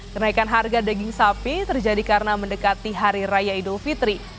kenaikan harga daging sapi terjadi karena mendekati hari raya idul fitri